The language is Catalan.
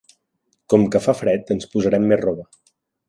Com que fa fred, ens posarem més roba.